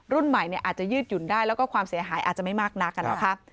รุ่นใหม่อาจจะยืดหยุ่นได้แล้วก็ความเสียหายอาจจะไม่มากนักนะคะ